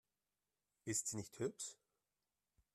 Ist sie nicht hübsch?